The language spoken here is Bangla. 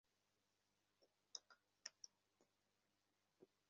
দুইজনেরই মনে হইল যে, স্বপ্ন হইতে জাগিয়াছি।